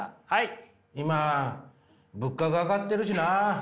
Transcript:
今物価が上がってるしな。